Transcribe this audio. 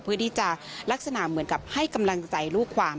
เพื่อที่จะลักษณะเหมือนกับให้กำลังใจลูกความ